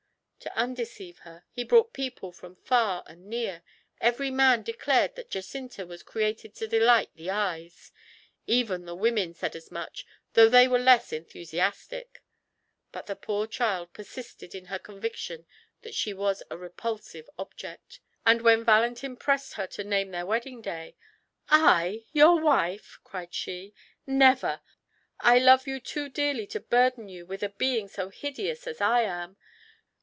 To undeceive her, he brought people from far and near; every man declared that Jacinta was created to delight the eyes; even the women said as much, though they were less enthusiastic. But the poor child persisted in her conviction that she was a repulsive object, and when Valentin pressed her to name their wedding day "I, your wife!" cried she. "Never! I love you too dearly to burden you with a being so hideous as I am."